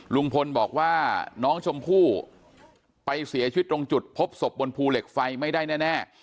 ลุงพลบอกว่าน้องชมพู่ไปเสียชีวิตตรงจุดพบศพบนภูเหล็กไฟไม่ได้แน่